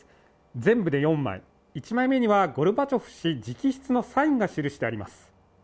全部で４枚１枚目にはゴルバチョフ氏直筆のサインが記してあります